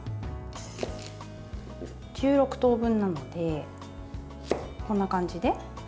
１６等分なので、こんな感じで。